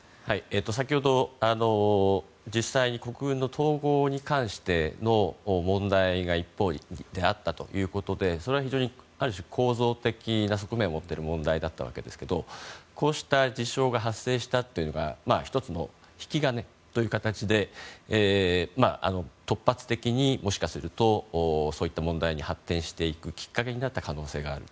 先ほど、実際に国軍の統合に関しての問題が一方であったということでそれは非常に、ある種構造的な側面を持っている問題だったわけですけどもこうした事象が発生したのが１つの引き金という形で突発的に、もしかするとそういった問題に発展していくきっかけになった可能性がある。